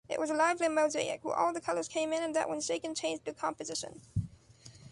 It was a lively mosaic, where all the colors came in and that when shaken changed their composition.